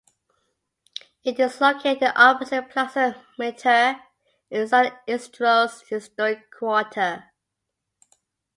It is located opposite Plaza Mitre in San Isidro's historic quarter.